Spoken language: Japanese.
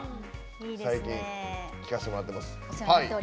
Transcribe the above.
最近、聴かせてもらっています。